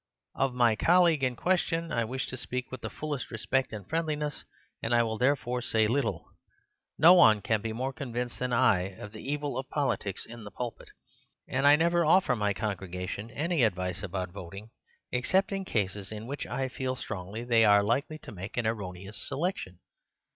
"Of my colleague in question I wish to speak with the fullest respect and friendliness, and I will therefore say little. No one can be more convinced than I of the evil of politics in the pulpit; and I never offer my congregation any advice about voting except in cases in which I feel strongly that they are likely to make an erroneous selection.